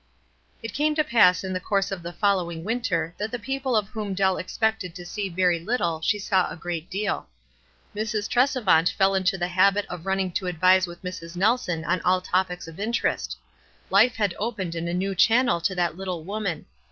It came to pass in the course of the following winter that the people of whom Dell expected to sec very little she saw a great deal. Mrs. Trescvant fell into the habit of running to advise with Mrs. Nelson on all topics of interest. Life had opened in a new channel to that little woman.